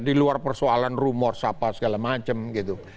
di luar persoalan rumor sapa segala macam gitu